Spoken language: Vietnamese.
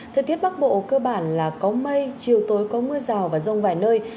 thời tiết bắc bộ cơ bản là có mây chiều tối có mưa rào và rông vài nơi